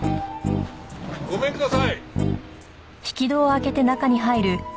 ごめんください。